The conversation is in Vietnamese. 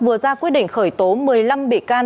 vừa ra quyết định khởi tố một mươi năm bị can